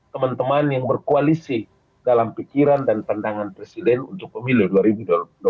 teman teman yang berkoalisi dalam pikiran dan pandangan presiden untuk pemilu dua ribu dua puluh